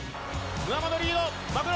ムハマド、リード。